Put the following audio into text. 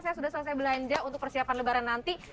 saya sudah selesai belanja untuk persiapan lebaran nanti